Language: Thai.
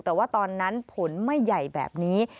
แต่ว่าตอนนั้นผลไม่ใหญ่แบบนี้